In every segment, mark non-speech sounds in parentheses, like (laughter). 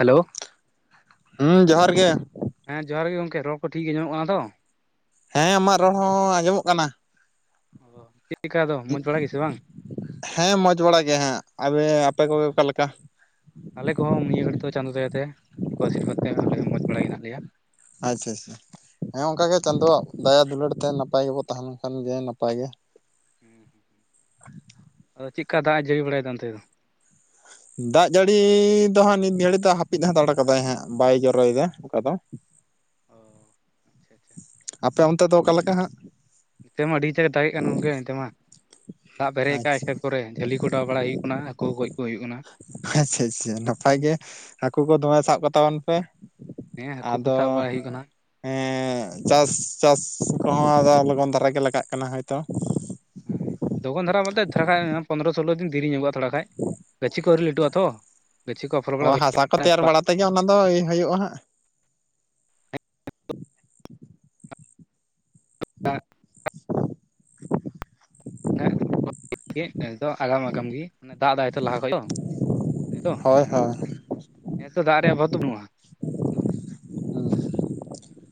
Hello. ᱛᱼᱷᱩ, ᱦᱮᱸᱼ ᱡᱚᱦᱟᱨ ᱜᱮ ᱾ ᱦᱮᱸ, ᱡᱚᱦᱟᱨ ᱜᱮ ᱜᱚᱢᱠᱮ, ᱨᱚᱲ ᱠᱚ ᱴᱷᱤᱠ ᱜᱮ, ᱧᱟᱢᱚᱜ ᱠᱟᱱᱟ ᱛᱚ? ᱦᱮᱸᱻ ᱟᱢᱟᱜ ᱨᱚᱲ ᱦᱚᱸ, ᱟᱸᱡᱚᱢᱚᱜ ᱠᱟᱱᱟ ᱾ ᱚᱼ ᱴᱷᱤᱠᱟ (unintelligible) ᱟᱫᱚ, ᱢᱚᱡᱽ ᱵᱟᱲᱟ ᱜᱮᱥᱮ, ᱵᱟᱝ? ᱦᱮᱸᱻ, ᱢᱚᱡᱽ ᱵᱟᱲᱟ ᱜᱮ ᱦᱟᱸᱜ ᱾ ᱟᱮ ᱟᱯᱮ ᱠᱚᱜᱮ ᱚᱠᱟ ᱞᱮᱠᱟ? ᱟᱞᱮ ᱠᱚᱦᱚᱸ, ᱱᱤᱭᱟᱹ ᱜᱷᱟᱹᱲᱤᱡ ᱫᱚ, ᱪᱟᱸᱫᱳ ᱫᱟᱭᱟᱛᱮ, ᱠᱚ ᱟᱥᱤᱨᱵᱟᱫᱽ ᱛᱮ, ᱟᱞᱮ ᱦᱚ, ᱢᱚᱸᱡᱽ ᱵᱟᱲᱟ ᱜᱮ, ᱦᱮᱱᱟᱜ ᱞᱮᱭᱟ ᱾ ᱟᱪᱪᱷᱟ ᱟᱪᱪᱷᱟ ᱾ ᱦᱮᱸ, ᱚᱱᱠᱟ ᱜᱮ ᱪᱟᱸᱫᱚᱣᱟᱜ, ᱫᱟᱭᱟ ᱫᱩᱞᱟᱹᱲ ᱛᱮ, ᱱᱟᱯᱟᱭ ᱜᱮᱵᱚ, ᱛᱟᱦᱮᱸ ᱞᱮᱱ ᱠᱷᱟᱱ ᱜᱮ, ᱱᱟᱯᱟᱭ ᱜᱮ ᱾ ᱦᱮᱸ, ᱟᱫᱚ ᱪᱮᱫ ᱞᱮᱠᱟ ᱫᱟᱜᱼᱮ, ᱡᱟᱹᱲᱤ ᱵᱟᱲᱟᱭᱮᱫᱟ ᱚᱱᱛᱮ ᱫᱚ? ᱫᱟᱜ ᱡᱟᱹᱲᱤ ᱫᱚ ᱦᱟᱸᱜ, ᱱᱤᱛ ᱜᱷᱟᱹᱲᱤᱡ ᱫᱚ, ᱦᱟᱹᱯᱤᱫ ᱦᱟᱛᱟᱲ ᱟᱠᱟᱫᱟᱭ ᱦᱟᱸᱜ ᱾ ᱵᱟᱭ ᱡᱚᱨᱚᱭᱮᱫᱟ ᱚᱱᱠᱟ ᱫᱚ ᱾ ᱚᱻ, ᱟᱪᱪᱷᱟ ᱟᱪᱪᱷᱟ ᱾ ᱟᱯᱮ ᱚᱱᱛᱮ ᱫᱚ, ᱚᱠᱟ ᱞᱮᱠᱟ ᱦᱟᱸᱜ? ᱱᱚᱛᱮ ᱢᱟ, ᱟᱹᱰᱤ ᱮᱴᱟᱜ ᱼᱮ ᱫᱟᱜᱮᱜ ᱠᱟᱱ ᱜᱚᱝᱠᱮ ᱚᱱᱛᱮ ᱢᱟ ᱾ ᱫᱟᱜ ᱯᱮᱨᱮ ᱟᱠᱟᱫᱼᱟ, ᱟᱪᱪᱷᱟ ᱮᱥᱠᱟ ᱠᱚᱨᱮ, ᱡᱷᱟᱹᱞᱤ ᱠᱚ, ᱚᱰᱟᱣ ᱵᱟᱲᱟ ᱦᱩᱭᱩᱜ ᱠᱟᱱᱟ ᱾ ᱦᱟᱹᱠᱩ ᱜᱚᱡ ᱠᱚ, ᱦᱩᱭᱩᱜ ᱠᱟᱱᱟ ᱾ ᱟᱼᱪᱪᱷᱟ ᱪᱪᱷᱟ ᱪᱷᱟ, ᱱᱟᱯᱟᱭ ᱜᱮ, ᱦᱟᱹᱠᱩ ᱠᱚ, ᱫᱚᱢᱮ ᱥᱟᱵ ᱠᱚ, ᱛᱟᱵᱚᱱ ᱯᱮ ᱦᱮᱸ ᱾ ᱦᱟᱹᱠᱩ ᱠᱚ ᱟᱫᱚ, ᱥᱟᱵ ᱵᱟᱲᱟᱭ ᱦᱩᱭᱩᱜ ᱠᱟᱱᱟ ᱮᱸᱻ ᱾ ᱮᱼ ᱪᱟᱥ ᱪᱟᱥ ᱠᱚᱦᱚᱸ, ᱞᱚᱜᱚᱱ ᱫᱷᱟᱨᱟ ᱜᱮ, ᱞᱟᱜᱟᱜ ᱠᱟᱱᱟ ᱾ ᱦᱳᱭ ᱛᱚ ᱾ ᱟᱭ, ᱞᱚᱜᱚᱱ ᱫᱷᱟᱨᱟ ᱢᱟᱱᱛᱮ ᱫᱷᱟᱲᱟ ᱭᱟᱭ ᱯᱚᱱᱚᱨᱚ ᱥᱳᱞᱳ ᱫᱤᱱ ᱫᱮᱨᱤ ᱧᱚᱜᱚᱼᱟ ᱛᱷᱚᱲᱟ ᱠᱷᱟᱡ ᱾᱾ ᱜᱟᱹᱪᱷᱤ ᱠᱚ ᱟᱹᱣᱨᱤ ᱞᱟᱹᱴᱩᱜᱼᱟ ᱛᱚ ᱾ ᱜᱟᱹᱪᱷᱤ ᱠᱚ, ᱟᱯᱷᱚᱞ ᱵᱟᱲᱟ (unintelligible) ᱦᱩᱭ ᱾ ᱛᱮᱧᱟ, ᱚᱱᱟᱫᱚ ᱟ. ᱭ, ᱦᱩᱭᱩᱜᱼᱟ ᱦᱟᱸᱜ ᱾ (unintelligible) (unintelligible) ᱟᱜᱟᱢ ᱟᱜᱟᱢ ᱜᱮ ᱫᱟᱜ ᱫᱟᱭ ᱛᱚ ᱞᱟᱦᱟ ᱠᱷᱚᱡ ᱛᱚ ᱾ ᱱᱤᱛᱚᱝ, ᱦᱳᱭ ᱦᱳᱭ ᱦᱮᱸᱛᱚ ᱫᱟᱜ ᱨᱮᱭᱟᱜ ᱟᱵᱷᱟᱵᱽ ᱫᱚ ᱵᱟᱹᱱᱩᱜᱼᱟ ᱾ ᱦᱩᱸ᱾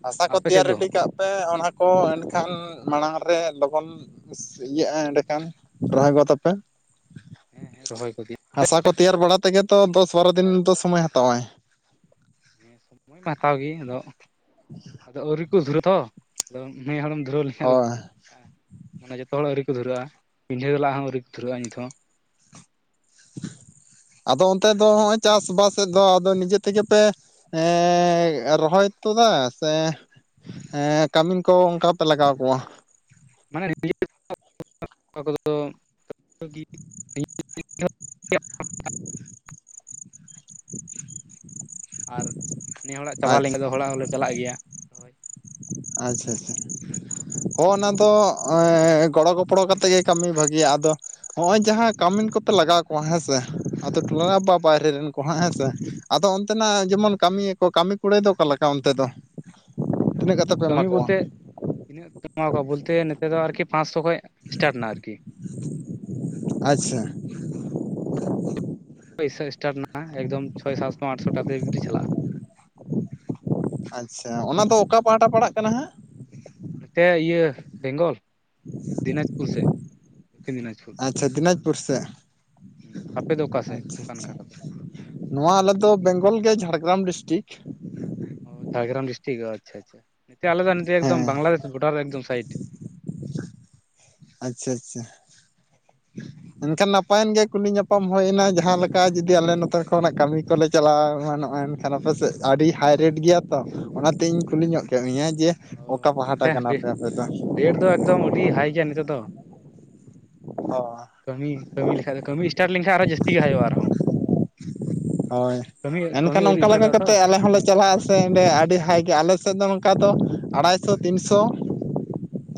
ᱦᱟᱥᱟ ᱠᱚ, ᱟᱯᱮ ᱛᱮᱭᱟᱨ ᱥᱮᱫ ᱫᱚ ᱨᱮᱰᱤ ᱠᱟᱜ ᱯᱮ, ᱚᱱᱟ ᱠᱚ ᱮᱱᱠᱷᱟᱱ ᱢᱟᱲᱟᱝ ᱨᱮ, ᱞᱚᱜᱚᱱ ᱤᱭᱟᱹᱼᱟ, ᱮᱸᱰᱮᱠᱷᱟᱱ ᱨᱚᱦᱟ ᱜᱚ ᱛᱟᱯᱮ ᱾ ᱦᱮᱸᱦᱮᱸ ᱨᱚᱦᱚᱭ ᱠᱚ, ᱜᱮ ᱾ ᱦᱟᱥᱟ ᱠᱚ, ᱛᱮᱭᱟᱨ ᱵᱟᱲᱟ ᱛᱮᱜᱮ ᱛᱚ, ᱫᱚᱥ ᱵᱟᱨᱚ ᱫᱤᱱ ᱫᱚ, ᱥᱚᱢᱚᱭ ᱦᱟᱛᱟᱣᱟᱭ ᱾ ᱦᱮᱸ, ᱥᱚᱢᱚᱭ ᱢᱟᱭ, ᱦᱟᱛᱟᱣ ᱜᱮ ᱾ ᱟᱫᱚ? (inaudible) ᱫᱚ, ᱟᱹᱣᱨᱤ ᱠᱚ ᱫᱷᱩᱨᱟᱹ ᱛᱚ, ᱟᱫᱚ ᱱᱩᱭ ᱦᱟᱲᱟᱢ ᱫᱷᱩᱨᱟᱹᱣ ᱞᱮᱠᱷᱟᱱᱟ ᱫᱚ ᱦᱳᱭ ᱾ ᱟᱼ, ᱢᱟᱱᱮ ᱡᱚᱛᱚ ᱦᱚᱲᱟᱜ ᱟᱹᱣᱨᱤ ᱠᱚ, ᱫᱷᱩᱨᱟᱣᱟ,, ᱯᱤᱸᱰᱷᱟᱹ ᱞᱟᱜ ᱦᱚᱸ, ᱟᱹᱣᱨᱤ ᱠᱚ ᱫᱷᱩᱨᱟᱹᱣᱟ, ᱱᱤᱛ ᱦᱚᱸ᱾ (inaudible) (inaudible) ᱟᱫᱚ, ᱚᱱᱛᱮ ᱫᱚ ᱦᱚᱸᱜᱼᱚᱭ, ᱪᱟᱥᱵᱟᱥᱮᱫ ᱫᱚ, ᱟᱫᱚ ᱱᱤᱡᱮ ᱛᱮᱜᱮ ᱯᱮ ᱾ ᱮᱸᱻᱮ, ᱨᱚᱦᱚᱭ ᱛᱚ ᱫᱟ ᱥᱮ? ᱦᱮᱸᱻ ᱠᱟᱹᱢᱤ ᱠᱚ, ᱚᱱᱠᱟ ᱯᱮ, ᱞᱟᱜᱟᱣ ᱠᱚᱣᱟ ᱾ ᱢᱟᱱᱮ, (unintelligible) ᱱᱤᱡ ᱠᱚᱫᱚ ᱺ (inaudible) ᱟᱨ ᱱᱤᱭ, ᱦᱚᱲᱟᱜ ᱪᱟᱵᱟ ᱟᱪᱪᱷᱟ ᱞᱮᱱᱠᱷᱟᱱ ᱫᱚ, ᱦᱚᱲᱟᱜ ᱦᱚᱞᱮ ᱪᱟᱞᱟᱜ ᱜᱮᱭᱟ ᱾ ᱦᱳ ᱾ ᱟᱪᱪᱷᱟ ᱟᱪᱪᱷᱟ ᱾ ᱦᱚᱸ ᱚᱱᱟ ᱫᱚ, ᱜᱚᱲᱚᱼ ᱜᱚᱯᱚᱲᱚ ᱠᱟᱛᱮᱫ ᱜᱮ, ᱠᱟᱹᱢᱤ ᱵᱷᱟᱹᱜᱮᱤᱭᱟ ᱾ ᱟᱫᱚ ᱱᱚᱜ-ᱚᱭ ᱡᱟᱦᱟᱸ ᱠᱟᱹᱢᱤᱱ ᱠᱚᱯᱮ ᱞᱟᱜᱟᱣ ᱠᱚᱣᱟ ᱦᱮᱸ ᱥᱮ ᱟᱫᱚ ᱦᱮᱸ ᱴᱚᱞᱟ ᱵᱟ ᱵᱟᱭᱨᱮ ᱨᱮᱱ ᱠᱚᱦᱚᱸ ᱦᱮᱸ ᱥᱮ, ᱟᱫᱚ ᱦᱮᱸ ᱚᱱᱛᱮᱱᱟᱜ ᱡᱮᱢᱚᱱ ᱠᱟᱹᱢᱤᱭᱟᱠᱚ ᱠᱟᱹᱢᱤ ᱠᱚ ᱠᱩᱲᱟᱹᱭ ᱫᱚ ᱚᱠᱟ ᱞᱮᱠᱟ ᱚᱱᱛᱮ ᱫᱚ? ᱛᱤᱱᱟᱹᱜ ᱠᱟᱛᱮ ᱯᱮ ᱮᱢᱟ ᱠᱟᱹᱢᱤ ᱠᱚᱣᱟ ᱵᱚᱞᱛᱮ ᱤᱱᱟᱹᱜ ᱮᱢᱟᱣ ᱠᱚᱣᱟ ᱵᱚᱞᱛᱮ ᱱᱮᱛᱟᱨ ᱫᱚ ᱟᱨᱠᱤ ᱯᱟᱸᱪᱥᱚ ᱠᱷᱚᱱ ᱮᱥᱴᱟᱴ ᱮᱱᱟ ᱟᱨᱠᱤ᱾ ᱟᱪᱪᱷᱟ, ᱯᱩᱭᱥᱟᱹ ᱥᱴᱟᱴ ᱮᱱᱟ ᱮᱠᱫᱚᱢ ᱪᱷᱚᱭ, ᱥᱟᱛᱥᱚ, ᱟᱴᱥᱚ ᱠᱟᱛᱮ ᱵᱮᱴᱤ ᱪᱟᱞᱟᱜ-ᱟ᱾ ᱟᱪᱪᱷᱟ ᱚᱱᱟ ᱫᱚ ᱚᱠᱟ ᱯᱟᱦᱴᱟ ᱯᱟᱲᱟᱜ ᱠᱟᱱᱟ ᱦᱟᱸᱜ? ᱱᱚᱛᱮ ᱤᱭᱟᱹ ᱵᱮᱝᱜᱚᱞ ᱫᱤᱱᱟᱡᱽᱯᱩᱨ ᱥᱮᱫ ᱠᱷᱤᱱ ᱫᱤᱱᱟᱡᱽᱯᱩᱨ ᱟᱪᱪᱷᱟ ᱫᱤᱱᱟᱡᱽᱯᱩᱨ ᱥᱮᱫ, ᱟᱯᱮ ᱫᱚ ᱚᱠᱟᱥᱮᱫ ᱟᱪᱪᱷᱟ ᱚᱠᱟ ᱟᱪᱪᱷᱟ ᱱᱟᱠᱷᱟ ᱠᱟᱛᱮ ᱨᱚᱲ ᱱᱚᱣᱟ ᱟᱞᱮ ᱫᱚ ᱵᱮᱝᱜᱚᱞ ᱜᱮ, ᱡᱷᱟᱲᱜᱨᱟᱢ ᱰᱤᱥᱴᱤᱠ, ᱚ ᱡᱷᱟᱲᱜᱨᱟᱢ ᱰᱤᱥᱴᱤᱠ ᱟᱪᱪᱷᱟ ᱟᱪᱪᱷᱟ, ᱱᱤᱛᱮ ᱟᱞᱮᱫᱚ ᱱᱮᱰᱮ ᱮᱫᱚᱢ ᱦᱮᱸ ᱵᱟᱝᱞᱟᱫᱮᱥ ᱵᱚᱰᱟᱨᱮ ᱮᱠᱫᱚᱢ ᱥᱟᱭᱤᱰ ᱟᱪᱪᱷᱟ ᱟᱪᱪᱷᱟ ᱮᱱᱠᱷᱟᱱ ᱱᱟᱯᱟᱭᱮᱱ ᱜᱮ ᱠᱩᱞᱤ ᱧᱟᱯᱟᱢ ᱦᱩᱭᱱᱟ ᱡᱟᱦᱟᱸ ᱞᱮᱠᱟ ᱚᱱᱠᱟ ᱡᱩᱫᱤ ᱟᱞᱮ ᱱᱚᱛᱮ ᱠᱷᱚᱱᱟᱜ ᱠᱟᱹᱢᱤ ᱠᱚᱞᱮ ᱪᱟᱞᱟᱣ ᱮᱢᱟᱱᱚᱜ-ᱟ, ᱮᱱᱠᱷᱟᱱ ᱟᱯᱮᱥᱮᱫ ᱟᱹᱰᱤ ᱦᱟᱭ ᱨᱮᱴ ᱜᱮᱭᱟ ᱛᱚ, ᱚᱱᱟ ᱛᱤᱧ ᱠᱩᱞᱤ ᱧᱚᱜ ᱠᱮᱜᱽ ᱢᱮᱭᱟ, ᱡᱮ ᱚᱠᱟ ᱚ ᱯᱟᱦᱴᱟ ᱱᱚᱛᱮ ᱨᱮᱴ ᱠᱟᱱᱟᱯᱮ ᱟᱯᱮ ᱫᱚ? ᱫᱚ ᱮᱠᱫᱚᱢ ᱟᱹᱰᱤ ᱦᱟᱭ ᱜᱮᱭᱟ ᱱᱤᱛᱚᱜ ᱫᱚ, ᱚ ᱠᱟᱹᱢᱤ ᱠᱟᱹᱢᱤ ᱞᱮᱠᱷᱟᱡ ᱫᱚ ᱠᱟᱹᱢᱤ ᱮᱴᱟᱨᱴ ᱞᱮᱱᱠᱷᱟᱱ ᱟᱨᱦᱚᱸ ᱡᱟᱹᱥᱛᱤ ᱜᱮ ᱦᱟᱭᱚᱜ-ᱟ ᱟᱨᱦᱚᱸ, ᱦᱳᱭ ᱠᱟᱹᱢᱤ ᱠᱟᱹᱢᱤ ᱮᱱᱠᱷᱟᱱ ᱟᱹᱣᱨᱤ ᱚᱱᱠᱟ ᱞᱮᱠᱟ ᱥᱴᱟᱨᱴᱚᱜᱼᱟ ᱠᱟᱛᱮᱫ ᱟᱞᱮ ᱦᱚᱸᱞᱮ ᱪᱟᱞᱟᱜ-ᱟ ᱥᱮ ᱚᱸᱰᱮ ᱟᱹᱰᱤ ᱦᱟᱭ ᱜᱮ ᱟᱞᱮ ᱥᱮᱫ ᱫᱚ ᱱᱚᱝᱠᱟ ᱫᱚ ᱟᱲᱟᱭᱥᱚ ᱛᱤᱱᱥᱚ,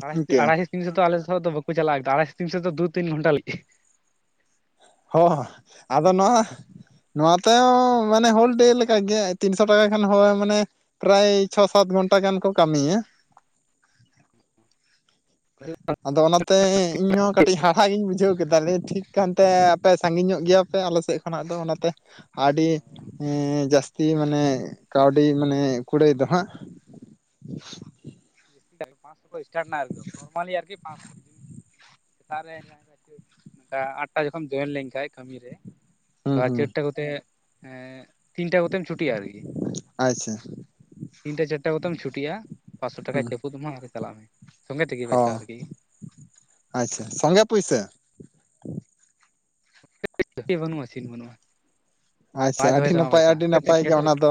ᱟᱲ ᱤᱱᱠᱟᱹ ᱟᱲᱟᱭ ᱛᱤᱱ ᱥᱚ ᱫᱚ ᱟᱞᱮ ᱥᱮᱫᱚ ᱵᱟᱠᱚ ᱪᱟᱞᱟᱜ-ᱟ ᱟᱲᱟᱭᱮ ᱛᱤᱱ ᱥᱚ ᱫᱚ ᱫᱩ ᱛᱤᱱ ᱜᱷᱚᱱᱴᱟ ᱞᱟᱹᱜᱤᱫ ᱦᱚᱸᱻ ᱟᱫᱚ ᱱᱚᱣᱟ ᱱᱚᱣᱟ ᱛᱮ ᱢᱟᱱᱮ ᱦᱳᱞ ᱰᱮ ᱞᱮᱠᱟ ᱜᱮ ᱛᱤᱱᱥᱚ ᱴᱟᱠᱟ ᱠᱷᱟᱱ ᱦᱳᱭ ᱢᱟᱱᱮ ᱯᱨᱟᱭ ᱪᱷᱚ, ᱥᱟᱛ, ᱜᱷᱚᱱᱴᱟ ᱜᱟᱱ ᱠᱚ ᱠᱟᱹᱢᱤᱭᱟ, ᱟᱫᱚ ᱚᱱᱟᱛᱮ ᱤᱧᱦᱚᱸ ᱠᱟᱹᱴᱤᱡ ᱦᱟᱲᱦᱟᱜᱤᱧ ᱵᱩᱡᱷᱟᱹᱣ ᱠᱮᱫᱟᱞᱮ ᱴᱷᱤᱠ ᱠᱟᱱᱛᱮ ᱟᱯᱮ ᱥᱟᱺᱜᱤᱧ ᱧᱚᱜ ᱜᱮᱭᱟ ᱛᱮ ᱟᱞᱮ ᱥᱮᱫ ᱠᱷᱚᱱᱟᱜ ᱫᱚ ᱚᱱᱟᱛᱮ ᱟᱹᱰᱤ ᱡᱟᱹᱥᱛᱤ ᱢᱟᱱᱮ ᱠᱟᱹᱣᱰᱤ ᱢᱟᱱᱮ ᱠᱩᱲᱟᱹᱭ ᱫᱚ ᱦᱟᱸᱜ (inaudible) (inaudible) ᱢᱟᱸᱥ ᱠᱚ ᱟᱴᱟᱴ ᱮᱱᱟ ᱱᱟᱨᱢᱟᱞᱤ ᱟᱨᱠᱤ ᱯᱟᱸᱥᱚ ᱥᱮᱛᱟᱜ ᱨᱮᱠᱟ ᱟᱴ ᱴᱟ ᱡᱚᱠᱷᱚᱢ ᱡᱚᱭᱮᱱ ᱞᱮᱱᱠᱟᱱᱡ ᱠᱟᱹᱢᱤ ᱨᱮ ᱦᱩᱸ ᱵᱟ ᱦᱩᱸ ᱪᱟᱹᱨᱴᱟ ᱠᱚᱛᱮ ᱮᱸᱜ ᱛᱤᱱᱴᱟ ᱠᱚᱛᱮᱢ ᱪᱷᱩᱴᱤᱜ-ᱟ ᱟᱨᱠᱤ, ᱟᱪᱪᱷᱟ, ᱛᱤᱱᱴᱟ, ᱪᱟᱨᱴᱟ, ᱠᱚᱛᱮᱢ ᱪᱷᱩᱴᱤᱜ-ᱟ ᱯᱟᱥᱚ ᱴᱟᱠᱟ ᱦᱩᱸ ᱪᱟᱯᱩᱫ ᱟᱢᱟ ᱟᱨ ᱪᱟᱞᱟᱜ ᱢᱮ ᱥᱚᱸᱜᱮ ᱛᱮᱜᱮ ᱦᱚᱸ ᱯᱚᱭᱥᱟ ᱟᱨᱠᱤ ᱟᱪᱪᱷᱟ ᱥᱚᱝᱜᱮ ᱯᱩᱭᱥᱟᱹ (inaudible) ᱵᱟᱹᱱᱩᱜ-ᱟ ᱥᱤᱱ ᱵᱟᱹᱱᱩᱜ-ᱟ ᱟᱪᱪᱷᱟ ᱟᱹᱰᱤ ᱱᱟᱯᱟᱭ ᱟᱹᱰᱤ ᱠᱷᱮᱛ ᱱᱟᱯᱟᱭ ᱜᱮ ᱨᱮ ᱚᱱᱟ ᱫᱚ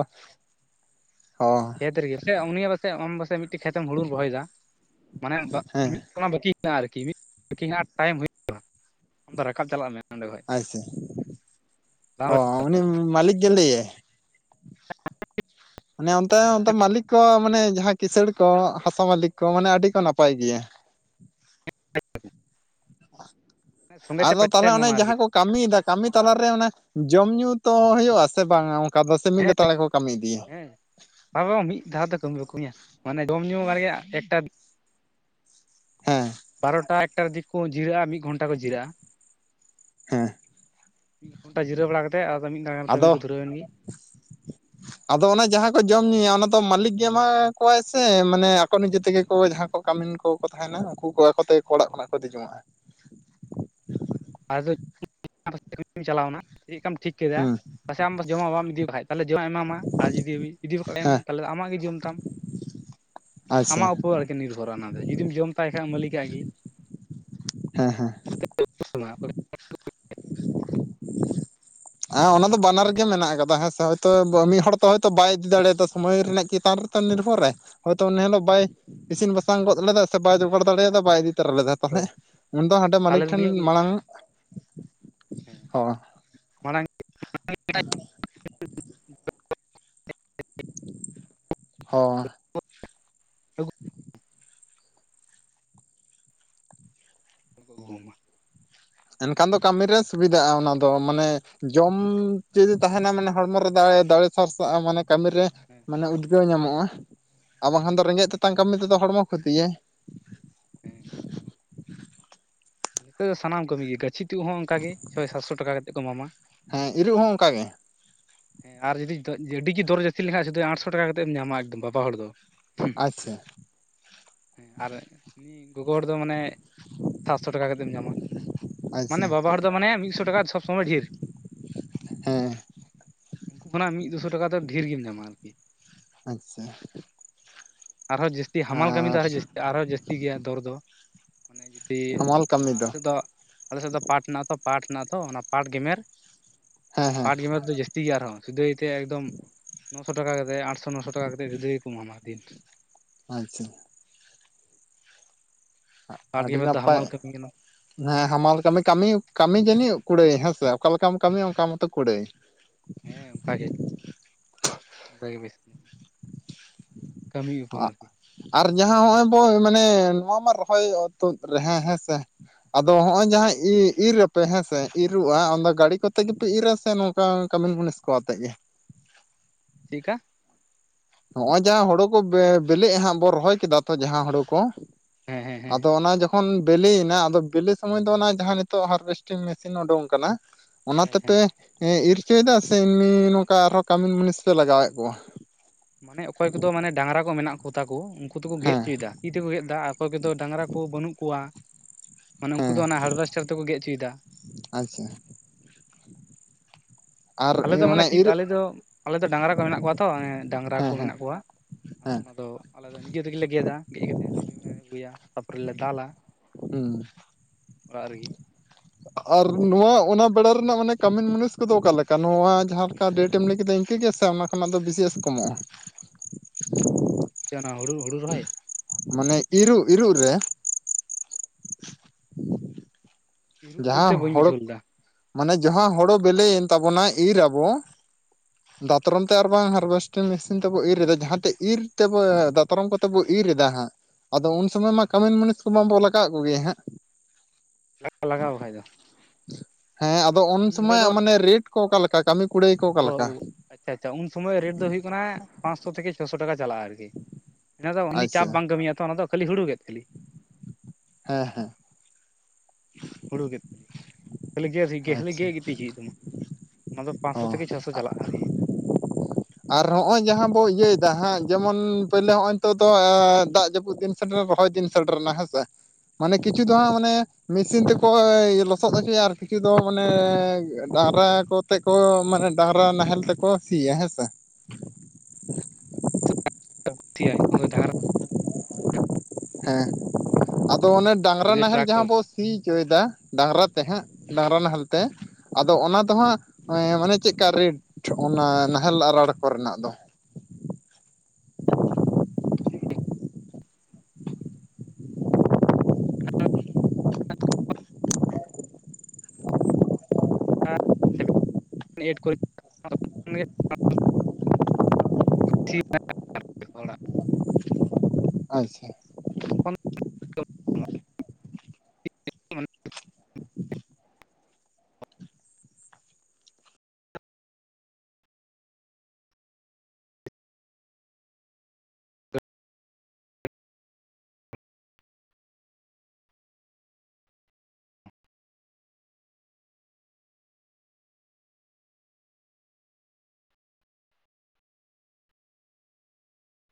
ᱦᱚᱸ ᱠᱷᱮᱛ ᱨᱮᱜᱮ ᱥᱮ ᱩᱱᱤ ᱵᱟᱥᱮᱡ ᱟᱢ ᱵᱟᱥᱮᱡ ᱢᱤᱫᱴᱮᱱ ᱠᱷᱮᱛ ᱮᱢ ᱦᱩᱲᱩ ᱨᱚᱦᱚᱭᱮᱫᱟ ᱢᱟᱱᱮ ᱦᱮᱸ ᱢᱤᱫ ᱚᱱᱟ ᱵᱟᱹᱠᱤ ᱢᱮᱱᱟᱜ-ᱟ ᱟᱨᱠᱤ ᱢᱤᱫ ᱠᱷᱤ ᱦᱮᱱᱟᱜ-ᱟ ᱴᱟᱭᱤᱢ ᱦᱩᱭᱩᱜ-ᱟ ᱟᱢᱫᱚ ᱨᱟᱠᱟᱵ ᱪᱟᱞᱟᱜ ᱢᱮ ᱱᱚᱸᱰᱮ ᱠᱷᱚᱡ ᱟᱪᱪᱷᱟ ᱦᱚᱸ ᱩᱱᱤ ᱢᱟᱞᱤᱠ ᱜᱮ ᱞᱟᱹᱭᱮ, ᱢᱟᱱᱮ ᱚᱱᱛᱮ ᱚᱱᱛᱮ ᱢᱟᱹᱞᱤᱠ ᱠᱚ, ᱢᱟᱱᱮ ᱡᱟᱦᱟᱸ ᱠᱤᱥᱟᱹᱲ ᱠᱚ, ᱦᱟᱥᱟ ᱢᱟᱹᱞᱤᱠ ᱠᱚ ᱢᱟᱱᱮ ᱟᱹᱰᱤ ᱠᱚ ᱱᱟᱯᱟᱭ ᱜᱮᱭᱟ᱾ ᱥᱚᱸᱜᱮ ᱛᱮ ᱟᱫᱚ ᱯᱚᱭᱥᱟᱭ ᱛᱟᱦᱚᱞᱮ ᱚᱱᱮ ᱮᱢᱟᱢᱟ ᱟᱨᱠᱤ ᱡᱟᱦᱟᱸ ᱠᱚ ᱠᱟᱹᱢᱤᱭᱮᱫᱟ ᱠᱟᱹᱢᱤ ᱛᱟᱞᱟᱨᱮ ᱚᱱᱟ ᱡᱚᱢ ᱧᱩ ᱛᱚ ᱦᱩᱭᱩᱜ ᱟᱥ ᱵᱟᱝ ᱟ? ᱟᱠᱫᱚ ᱥᱮ ᱢᱤᱫ ᱦᱮᱸ ᱞᱮᱛᱟᱲ ᱨᱮ ᱠᱚ ᱠᱟᱹᱢᱤ ᱤᱫᱤᱭᱟ? ᱦᱮᱸ ᱢᱤᱫ ᱫᱷᱟᱣ ᱛᱮ ᱠᱟᱹᱢᱤ ᱵᱟ ᱠᱟᱹᱢᱮᱭᱟ ᱢᱟᱱᱮ ᱡᱚᱢ ᱧᱩ ᱟᱨᱭᱟᱜ ᱮᱠᱴᱟ ᱦᱮᱸᱻ ᱵᱟᱨᱚᱴᱟ ᱮᱠᱴᱟ ᱫᱤᱠ ᱠᱚ ᱡᱤᱨᱟᱹᱜ-ᱟ ᱢᱤᱫ ᱜᱷᱚᱱᱴᱟ ᱠᱚ ᱡᱤᱨᱟᱹᱜ-ᱟ, ᱦᱮᱸ ᱢᱤᱫ ᱜᱷᱚᱱᱴᱟ ᱡᱤᱨᱟᱹᱣ ᱵᱟᱲᱟ ᱠᱟᱛᱮᱫ ᱟᱫᱚ ᱢᱤᱫ ᱫᱷᱟᱣ ᱜᱟᱱ ᱠᱟᱹᱢᱤ ᱟᱫᱚ ᱠᱚ ᱫᱷᱩᱨᱟᱹᱣ ᱮᱱ ᱜᱮ᱾ ᱟᱫᱚ ᱚᱱᱮ ᱡᱟᱦᱟᱸ ᱠᱚ ᱡᱚᱢ ᱧᱩᱭᱟ ᱚᱱᱟ ᱫᱚ ᱢᱟᱹᱞᱤᱠ ᱜᱮ ᱮᱢᱟ ᱠᱚᱣᱟᱭ ᱥᱮ ᱢᱟᱱᱮ ᱟᱠᱚ ᱱᱤᱡᱮ ᱛᱮᱜᱮ ᱠᱚ ᱡᱟᱸᱦᱟᱸ ᱠᱟᱹᱢᱤᱱ ᱠᱚ ᱠᱚ ᱛᱟᱦᱮᱱᱟ ᱩᱱᱠᱩ ᱠᱚ ᱟᱠᱚ ᱛᱮᱜᱮ ᱠᱚ ᱚᱲᱟᱜ ᱠᱷᱚᱱᱟᱜ ᱠᱚ ᱫᱤ ᱡᱚᱢᱚᱜᱼᱟ᱾ ᱟᱫᱚ (unintelligible) ᱪᱟᱞᱟᱣᱱᱟ ᱪᱮᱜᱽ ᱞᱮᱠᱟᱢ ᱴᱷᱤᱠ ᱠᱮᱫᱟ? ᱦᱩᱸ ᱯᱟᱥᱮ ᱟᱢ ᱡᱚᱢᱟᱜ ᱵᱟᱢ ᱤᱫᱤ ᱵᱟᱠᱟᱡ ᱛᱟᱞᱮ ᱡᱚᱢᱟᱜ ᱮᱢᱟᱢᱟ ᱟᱨ ᱡᱩᱫᱤ ᱤᱫᱤ ᱵᱟᱠᱟᱜᱡᱮᱢ ᱦᱮᱸ ᱛᱟᱦᱚᱞᱮ ᱟᱢᱟᱜ ᱜᱮ ᱡᱚᱢ ᱛᱟᱢ ᱟᱪᱪᱷᱟ ᱟᱢᱟᱜ ᱦᱮᱸ ᱩᱯᱚᱨ ᱟᱨᱠᱤ ᱱᱤᱨᱵᱷᱚᱨᱚᱜᱼᱟ ᱚᱱᱟ ᱫᱚ, ᱡᱩᱫᱤᱢ ᱡᱚᱢ ᱛᱟᱭ ᱠᱷᱟᱡ ᱢᱟᱹᱞᱤᱠᱟᱜ ᱜᱮ᱾ ᱦᱮᱸ ᱦᱮᱸ ᱚᱱᱟ ᱦᱚᱸ ᱯᱟᱞᱮ (unintelligible) ᱦᱮᱸ ᱚᱱᱟ ᱫᱚ ᱵᱟᱱᱟᱨ ᱜᱮ ᱢᱮᱱᱟᱜ ᱟᱠᱟᱫᱟ ᱦᱮᱸᱥᱮ ᱦᱳᱭᱛᱚ ᱢᱤᱫ ᱦᱚᱲ ᱫᱚ ᱦᱳᱭᱛᱚ ᱵᱟᱭ ᱤᱫᱤ ᱫᱟᱲᱮᱭᱟᱫᱟ ᱥᱚᱢᱚᱭ ᱨᱮᱱᱟᱜ ᱪᱮᱛᱟᱨ ᱚᱱᱟ ᱪᱮᱛᱟᱱ ᱱᱤᱨᱵᱷᱚᱨ ᱨᱮ ᱦᱚᱭᱛᱚ ᱩᱱ ᱦᱤᱞᱳᱜ ᱵᱟᱭ ᱤᱥᱤᱱ ᱵᱟᱥᱟᱝ ᱜᱚᱫ ᱞᱮᱫᱟ ᱥᱮ ᱵᱟᱭ ᱡᱚᱜᱟᱲ ᱫᱟᱲᱮᱭᱟᱫᱟ ᱵᱟᱭ ᱤᱫᱤ ᱛᱚᱨᱟ ᱞᱮᱫᱟ᱾ ᱛᱟᱦᱚᱞᱮ ᱦᱳᱭ ᱩᱱ ᱫᱚ ᱦᱟᱸᱰᱮ ᱢᱟᱹᱞᱤᱠ ᱛᱟᱦᱚᱞᱮ ᱴᱷᱮᱱ ᱩᱱᱤᱭᱟᱜ ᱜᱮ ᱢᱟᱲᱟᱝ ᱦᱮᱸ ᱦᱚᱸ (unintelligible) ᱦᱚᱸ ᱟᱹᱜᱩ (inaudible) (unintelligible) ᱮᱱᱠᱷᱟᱱ ᱫᱚ ᱠᱟᱹᱢᱤ ᱨᱮ ᱥᱩᱵᱤᱫᱷᱟᱜᱼᱟ ᱚᱱᱟ ᱫᱚ, ᱢᱟᱱᱮ ᱡᱚᱢ ᱡᱩᱫᱤ ᱛᱟᱦᱮᱱᱟ ᱢᱟᱱᱮ ᱦᱚᱲᱢᱚ ᱨᱮ ᱫᱟᱲᱮ, ᱫᱟᱲᱮ ᱥᱟᱨᱥᱟᱜᱼᱟ ᱢᱟᱱᱮ ᱠᱟᱹᱢᱤ ᱨᱮ ᱦᱮᱸ ᱢᱟᱱᱮ ᱩᱫᱽᱜᱟᱹᱣ ᱧᱟᱢᱚᱜᱼᱟ ᱟᱨ ᱵᱟᱝᱠᱷᱟᱱ ᱫᱚ ᱨᱮᱸᱜᱮᱡ ᱛᱮᱛᱟᱝ ᱠᱟᱹᱢᱤ ᱛᱮᱫᱚ ᱦᱚᱲᱢᱚ ᱠᱷᱚᱛᱤᱭᱟᱭ᱾ (unintelligible) ᱱᱤᱛᱚᱜ ᱫᱚ ᱥᱟᱱᱟᱢ ᱠᱟᱹᱢᱤ ᱜᱮ ᱜᱟᱹᱪᱷᱤ ᱛᱩᱫ ᱦᱚᱸ ᱚᱱᱠᱟᱜ ᱜᱮ ᱪᱷᱚᱭ ᱥᱟᱛᱥᱚ ᱴᱟᱠᱟ ᱠᱟᱛᱮᱫ ᱠᱚ ᱮᱢᱟᱢᱟ᱾ ᱦᱮᱸ ᱤᱨᱚᱜ ᱦᱚᱸ ᱚᱱᱠᱟ ᱜᱮ᱾ ᱦᱮᱸ ᱟᱨ ᱡᱩᱫᱤ (unintelligible) ᱫᱚᱨ ᱡᱟᱹᱥᱛᱤ ᱞᱮᱠᱷᱟᱱ ᱥᱩᱫᱩ ᱟᱴᱥᱚ ᱴᱟᱠᱟ ᱠᱟᱛᱮ ᱮᱢ ᱧᱟᱢᱟ ᱮᱠᱫᱚᱢ ᱵᱟᱵᱟ ᱦᱚᱲ ᱫᱚ᱾ ᱟᱪᱪᱷᱟ ᱦᱮᱸ ᱟᱨ ᱜᱚᱜᱚ ᱦᱚᱲ ᱫᱚ ᱢᱟᱱᱮ ᱥᱟᱛᱥᱚ ᱴᱟᱠᱟ ᱠᱟᱛᱮᱢ ᱧᱟᱢᱟ᱾ ᱟᱪᱪᱷᱟ ᱢᱟᱱᱮ ᱵᱟᱵᱟ ᱦᱚᱲ ᱫᱚ ᱢᱟᱱᱮ ᱢᱤᱫᱥᱚ ᱴᱟᱠᱟ ᱥᱚᱵᱥᱚᱢᱚᱭ ᱰᱷᱤᱨ᱾ ᱦᱮᱸ ᱩᱱᱠᱩ ᱠᱷᱚᱱᱟᱜ ᱢᱤᱫ ᱫᱩ ᱥᱚ ᱴᱟᱠᱟ ᱫᱚ ᱰᱷᱮᱨ ᱜᱮᱢ ᱧᱟᱢᱟ ᱟᱨᱠᱤ᱾ ᱟᱪᱪᱷᱟ ᱟᱨᱦᱚᱸ ᱡᱟᱹᱥᱛᱤ ᱦᱟᱢᱟᱞ ᱠᱟᱹᱢᱤ ᱫᱚ ᱟᱨ ᱟᱨᱦᱚᱸ ᱡᱟᱹᱥᱛᱤ ᱟᱨᱦᱚᱸ ᱡᱟᱹᱥᱛᱤ ᱜᱮᱭᱟ ᱫᱚᱨ ᱫᱚ᱾ ᱢᱟᱱᱮ ᱡᱩᱫᱤ ᱦᱟᱢᱟᱞ ᱚᱱᱟ ᱠᱟᱹᱢᱤ ᱟᱞᱮ ᱥᱮᱫ ᱫᱚ ᱟᱞᱮ ᱥᱮᱫ ᱫᱚ ᱯᱟᱴ ᱦᱮᱱᱟᱜ ᱟᱛᱚ ᱯᱟᱴ ᱦᱮᱱᱟᱜ ᱟ ᱛᱚ ᱚᱱᱟ ᱯᱟᱴ ᱜᱮᱢᱮᱨ ᱦᱮᱸ ᱦᱮᱸ ᱯᱟᱴ ᱜᱮᱢᱮᱨ ᱫᱚ ᱡᱟᱹᱥᱛᱤ ᱜᱮ ᱟᱨᱦᱚᱸ ᱥᱚᱫᱟᱹᱭ ᱛᱮ ᱮᱠᱫᱚᱢ ᱱᱚᱥᱚ ᱴᱟᱠᱟ ᱠᱟᱛᱮᱫ ᱟᱴᱥᱚ ᱱᱚᱥᱚ ᱴᱟᱠᱟ ᱠᱟᱛᱮᱫ ᱥᱚᱫᱟᱹᱭ ᱠᱚᱢ ᱮᱢᱟᱢᱟ ᱫᱤᱱ᱾ ᱟᱪᱪᱷᱟ ᱯᱟᱴ ᱟᱹᱰᱤ ᱜᱮᱢᱮᱨ ᱫᱚ ᱱᱟᱯᱟᱭ ᱦᱟᱢᱟᱞ ᱠᱟᱹᱢᱤ ᱠᱟᱱᱟ ᱦᱮᱸ ᱦᱟᱢᱟᱞ ᱠᱟᱹᱢᱤ ᱠᱟᱹᱢᱤ ᱠᱟᱹᱢᱤ ᱡᱟᱹᱱᱤᱡ ᱠᱩᱲᱟᱹᱭ ᱦᱮᱸᱥᱮ, ᱚᱠᱟ ᱞᱮᱠᱟᱢ ᱠᱟᱹᱢᱤᱭᱟ ᱚᱱᱠᱟ ᱦᱮᱸ ᱢᱚᱛᱚ ᱠᱩᱲᱟᱹᱭ᱾ (unintelligible) ᱠᱟᱹᱢᱤ ᱩᱯᱚᱨ ᱟᱨᱠᱤ (unintelligible) ᱟᱨ ᱡᱟᱦᱟᱸ ᱱᱚᱜᱼᱚᱭ ᱵᱚ ᱢᱟᱱᱮ ᱱᱚᱣᱟ ᱢᱟ ᱨᱚᱦᱚᱭ ᱛᱩᱫ ᱨᱮ ᱦᱮᱸ ᱦᱮᱸᱥᱮ᱾ ᱟᱫᱚ ᱦᱚᱸᱜᱼᱚᱭ ᱡᱟᱦᱟᱸ ᱤᱨᱟ ᱯᱮ ᱦᱮᱸ ᱥᱮ ᱤᱨᱻᱚᱜᱼᱟ ᱚᱱᱟᱫᱚ ᱜᱟᱹᱰᱤ ᱠᱚᱛᱮ ᱜᱮᱯᱮ ᱤᱨᱟ ᱥᱮ ᱱᱚᱝ ᱠᱟᱱ ᱠᱟᱢᱤᱱ ᱢᱩᱱᱤᱥ ᱠᱚ ᱟᱛᱮ ᱜᱮ᱾ ᱪᱤᱫᱠᱟ? ᱱᱚᱜᱼᱚᱭ ᱡᱟᱦᱟᱸ ᱦᱩᱲᱩ ᱠᱚ ᱵᱤᱞᱤᱜ ᱦᱟᱸᱜ ᱵᱚ ᱨᱚᱦᱚᱭ ᱠᱮᱫᱟ ᱛᱚ ᱡᱟᱦᱟᱸ ᱦᱩᱲᱩ ᱠᱚ, ᱦᱮᱸ ᱦᱮᱸ ᱦᱮᱸ ᱟᱫᱚ ᱚᱱᱟ ᱡᱚᱠ ᱠᱷᱚᱱ ᱵᱤᱞᱤᱭ ᱮᱱᱟ ᱟᱫᱚ ᱵᱤᱞᱤ ᱥᱚᱢᱚᱭ ᱫᱚ ᱚᱱᱟ ᱡᱟᱦᱟᱸ ᱱᱤᱛᱚᱜ ᱦᱟᱨᱵᱷᱮᱥᱴᱤᱝ ᱢᱮᱥᱤᱱ ᱩᱰᱩᱝ ᱟᱠᱟᱱᱟ ᱚᱱᱟ ᱦᱮᱸ ᱦᱮᱸ ᱛᱮᱯᱮ ᱤᱨ ᱪᱚᱭ ᱫᱟ ᱥᱮ ᱮᱢᱱᱤ ᱱᱚᱝᱠᱟ ᱟᱨᱦᱚᱸ ᱠᱟᱢᱤᱱ ᱢᱩᱱᱤᱥ ᱯᱮ ᱞᱟᱜᱟᱣ ᱮᱫ ᱠᱚᱣᱟ? ᱢᱟᱱᱮ ᱚᱠᱚᱭ ᱠᱚᱫᱚ ᱢᱟᱱᱮ ᱰᱟᱝᱨᱟ ᱠᱚ ᱢᱮᱱᱟᱜ ᱠᱚᱛᱟ ᱠᱚ ᱠᱩ ᱫᱚᱠᱚ ᱜᱮᱫ ᱦᱮᱸ ᱪᱚᱭ ᱫᱟ ᱛᱤ ᱛᱮᱠᱚ ᱜᱮᱫ ᱫᱟ ᱟ ᱚᱠᱚᱭ ᱠᱚᱫᱚ ᱰᱟᱝᱨᱟ ᱠᱚ ᱵᱟᱹᱱᱩᱜ ᱠᱚᱣᱟ ᱢᱟᱱᱮ ᱩᱱᱠᱩ ᱦᱮᱸ ᱫᱚ ᱚᱱᱟ ᱦᱟᱨᱵᱷᱮᱥᱴᱤᱝ ᱛᱮᱠᱚ ᱜᱮᱫ ᱪᱚᱭ ᱫᱟ ᱟᱪᱪᱷᱟ ᱟᱨ ᱟᱞᱮ ᱫᱚ ᱢᱟᱱᱮ ᱚᱱᱟ ᱠᱤᱛ ᱤᱨ ᱟᱞᱮ ᱫᱚ ᱟᱞᱮᱫᱚ ᱰᱟᱝᱨᱟ ᱠᱚ ᱢᱮᱱᱟᱜ ᱠᱚᱣᱟ ᱛᱚ ᱰᱟᱝᱨᱟ ᱠᱚ ᱦᱮᱸ ᱦᱮᱸ ᱢᱮᱱᱟᱜ ᱠᱚᱣᱟ ᱦᱮᱸ ᱟᱫᱚ ᱟᱞᱮ ᱫᱚ ᱱᱤᱡᱮ ᱛᱮᱜᱮ ᱜᱮᱫᱟ ᱜᱮᱫ ᱠᱟᱛᱮ ᱞᱮ ᱟᱹᱜᱩᱭᱟ ᱛᱟᱯᱚᱨᱮᱞᱮ ᱫᱟᱞᱟ᱾ ᱦᱩᱸ ᱚᱲᱟᱜ ᱨᱮᱜᱮ ᱟᱨ ᱱᱚᱣᱟ ᱚᱱᱟ ᱵᱮᱲᱟ ᱨᱮᱱᱟᱜ ᱢᱟᱱᱮ ᱠᱟᱹᱢᱤᱱ ᱢᱩᱱᱤᱥ ᱠᱚᱫᱚ ᱚᱠᱟ ᱞᱮᱠᱟ ᱱᱚᱣᱟ ᱡᱟᱦᱟᱸ ᱞᱮᱠᱟ ᱰᱮᱴ ᱮᱢ ᱞᱟᱹᱭ ᱠᱮᱫᱟ ᱤᱱᱠᱟᱹ ᱜᱮ ᱥᱮ ᱚᱱᱟ ᱚᱱᱟ ᱫᱚ ᱵᱤᱥᱤᱭᱮᱥ ᱠᱚᱢᱚᱜᱼᱟ? ᱪᱮᱜ ᱚᱱᱟ ᱦᱩᱲᱩ ᱦᱩᱲᱩ ᱨᱚᱦᱚᱭ ᱢᱟᱱᱮ ᱤᱨᱩᱜ ᱤᱨᱩᱜ ᱨᱮ ᱤᱨᱚᱜ ᱵᱚᱞᱛᱮ ᱡᱟᱦᱟᱸ ᱵᱟᱹᱧ ᱦᱳᱲᱳ ᱵᱩᱡᱷᱟᱹᱣ ᱞᱮᱫᱟ ᱢᱟᱱᱮ ᱡᱟᱦᱟᱸ ᱦᱚᱲᱚ ᱵᱮᱞᱮ ᱮᱱ ᱛᱟᱵᱚᱱᱟ ᱤᱨ ᱟᱵᱚ ᱫᱟᱛᱨᱚᱢ ᱛᱮ ᱟᱨ ᱵᱟᱝ ᱦᱟᱨᱵᱷᱮᱥᱴᱤᱝ ᱢᱮᱥᱤᱱ ᱛᱮᱵᱚ ᱤᱨ ᱮᱫᱟ ᱡᱟᱦᱟᱸᱛᱮ ᱤᱨ ᱛᱮᱵᱚ ᱫᱟᱛᱨᱚᱢ ᱠᱚᱛᱮ ᱵᱚ ᱤᱨ ᱮᱫᱟ ᱦᱟᱸᱜ ᱟᱫᱚ ᱩᱱ ᱥᱚᱢᱚᱭ ᱢᱟ ᱠᱟᱹᱢᱤᱱ ᱢᱩᱱᱤᱥ ᱠᱚ ᱢᱟ ᱵᱚ ᱞᱟᱜᱟᱣ ᱮᱫ ᱠᱚᱜᱮᱭᱟ ᱦᱟᱸᱜ᱾ ᱞᱟᱜ ᱞᱟᱜᱟᱣ ᱵᱟᱠᱷᱟᱡ ᱫᱚ᱾ ᱦᱮᱸ ᱟᱫᱚ ᱩᱱ ᱤᱧ ᱡᱚᱠᱷᱚᱡ ᱥᱚᱢᱚᱭ ᱢᱟᱱᱮ ᱨᱮᱴ ᱠᱚ ᱚᱠᱟ ᱞᱮᱠᱟ ᱠᱟᱹᱢᱤ? ᱠᱩᱲᱟᱹᱭ ᱠᱚ ᱚ ᱚᱠᱟᱞᱮᱠᱟ ᱟᱪᱪᱷᱟ ᱟᱪᱪᱷᱟ ᱩᱱ ᱥᱚᱢᱚᱭ ᱨᱮᱴ ᱫᱚ ᱦᱩᱭᱩᱜ ᱠᱟᱱᱟ ᱯᱟᱸᱥᱥᱚ ᱛᱷᱮᱠᱮ ᱪᱷᱚᱥᱚ ᱴᱟᱠᱟ ᱪᱟᱞᱟᱜ-ᱟ ᱟᱨᱠᱤ᱾ ᱚᱱᱟᱫᱚ ᱩᱱᱤ ᱪᱟᱯ ᱟᱪᱪᱷᱟ ᱵᱟᱝ ᱠᱟᱹᱢᱤᱭᱟ ᱛᱚ ᱚᱱᱟ ᱫᱚ ᱠᱷᱟᱹᱞᱤ ᱦᱩᱲᱩ ᱠᱮᱫ ᱠᱷᱟᱹᱞᱤ᱾ ᱦᱮᱸ ᱦᱮᱸ ᱦᱩᱲᱩ ᱜᱮ ᱠᱷᱟᱹᱞᱤ ᱜᱮ ᱡᱤ ᱜᱮ ᱠᱷᱟᱞᱤ ᱜᱮᱜ ᱜᱤᱛᱤᱡ ᱦᱩᱭᱩᱜ ᱛᱟᱢᱟ᱾ ᱚᱱᱟ ᱫᱚ ᱚ ᱯᱟᱸᱥᱥᱚ ᱛᱷᱮᱠᱮ ᱪᱷᱚᱥᱚ ᱪᱟᱞᱟᱜᱼᱟ ᱟᱨᱠᱤ ᱟᱜ ᱟᱨ ᱦᱚᱸᱜᱼᱚᱭ ᱡᱟᱦᱟᱸ ᱵᱚ ᱤᱭᱟᱹᱭ ᱫᱟ ᱦᱟᱸᱜ ᱡᱮᱢᱚᱱ ᱯᱳᱭᱞᱟᱹ ᱦᱚᱸᱜᱼᱚᱭ ᱱᱤᱛᱚᱜ ᱫᱚ ᱫᱟᱜ ᱡᱟᱹᱯᱩᱫ ᱫᱤᱱ ᱥᱮᱴᱮᱨ ᱨᱚᱦᱚᱭ ᱫᱤᱱ ᱥᱮᱴᱮᱨ ᱱᱟ ᱦᱮᱸᱥᱮ ᱢᱟᱱᱮ ᱠᱤᱪᱷᱩ ᱫᱚ ᱦᱟᱸᱜ ᱢᱟᱱᱮ ᱢᱮᱥᱤᱱ ᱛᱮᱠᱚ ᱞᱚᱥᱚᱫ ᱦᱚᱪᱚᱭᱟ ᱟᱨ ᱠᱤᱪᱷᱩ ᱫᱚ ᱢᱟᱱᱮ ᱰᱟᱝᱨᱟ ᱠᱚᱛᱮ ᱠᱚ ᱢᱟᱱᱮ ᱰᱟᱝᱨᱟ ᱱᱟᱦᱮᱞ ᱛᱮᱠᱚ ᱥᱤᱭᱟ ᱦᱮᱸ ᱥᱮ᱾ (inaudible) ᱰᱟᱝᱨᱟ ᱦᱮᱸ ᱟᱫᱚ ᱚᱱᱮ ᱰᱟᱝᱨᱟ ᱱᱟᱦᱮᱞ ᱴᱨᱟᱠᱴᱚᱨ ᱡᱟᱦᱟᱸ ᱵᱚᱥ ᱥᱤ ᱪᱚᱭᱫᱟ ᱰᱟᱝᱨᱟ ᱛᱮ ᱦᱟᱸᱜ ᱰᱟᱝᱨᱟ ᱱᱟᱦᱮᱞ ᱛᱮ ᱟᱫᱚ ᱚᱱᱟ ᱫᱚ ᱦᱟᱸᱜ ᱢᱟᱱᱮ ᱪᱮᱜᱠᱟ ᱨᱮᱴ ᱚᱱᱟ ᱱᱟᱦᱮᱞ ᱟᱨᱟᱲ ᱠᱚᱨᱮᱱᱟᱜ ᱫᱚ? (inaudible) ᱥᱮᱵᱮ ᱮᱭᱤᱴ ᱠᱚ (inaudible) (inaudible) ᱦᱚᱲᱟᱜ ᱟᱪᱪᱷᱟ